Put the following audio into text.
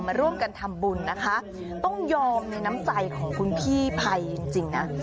มาร่วมกันทำบุญนะคะต้องยอมในน้ำใจของคุณพี่ภัยจริงนะ